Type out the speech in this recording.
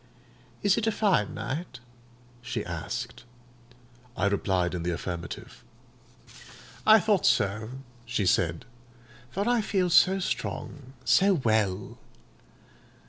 "Is it a fine night?" she asked. I replied in the affirmative. "I thought so," she said; "for I feel so strong, so well.